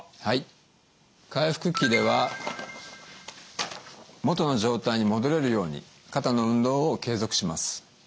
はい回復期では元の状態に戻れるように肩の運動を継続します。